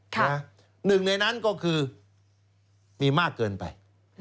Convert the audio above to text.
หนึ่งในนั้นก็คือมีมากเกินไป